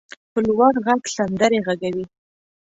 په لوړ غږ سندرې غږوي.